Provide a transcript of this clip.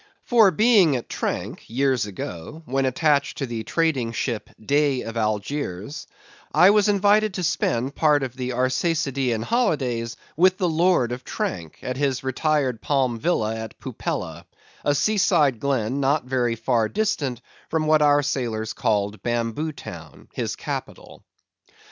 For being at Tranque, years ago, when attached to the trading ship Dey of Algiers, I was invited to spend part of the Arsacidean holidays with the lord of Tranque, at his retired palm villa at Pupella; a sea side glen not very far distant from what our sailors called Bamboo Town, his capital.